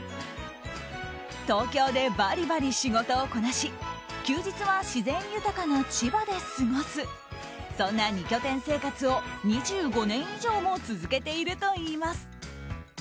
東京でバリバリ仕事をこなし休日は自然豊かな千葉で過ごすそんな２拠点生活を２５年以上も続けているといいます。